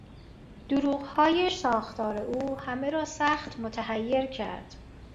دروغهای شاخدار او همه را سخت متحیر کرد.